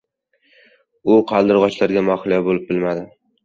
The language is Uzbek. U qaldirg‘ochlarga mahliyo bo‘lib, bilmadi.